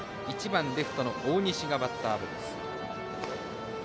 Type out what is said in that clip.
１番レフトの大西がバッターボックス。